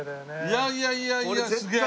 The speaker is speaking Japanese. いやいやいやいやすげえ。